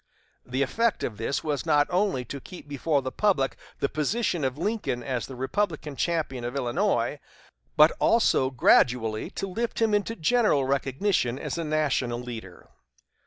The effect of this was not only to keep before the public the position of Lincoln as the Republican champion of Illinois, but also gradually to lift him into general recognition as a national leader.